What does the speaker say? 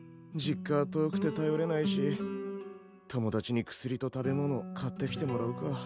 実家は遠くてたよれないし友達に薬と食べ物を買ってきてもらうか。